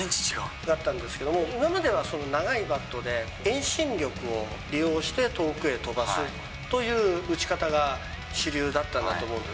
だったんですけど、今までは長いバットで遠心力を利用して遠くへ飛ばすという打ち方が主流だったんだと思うんです。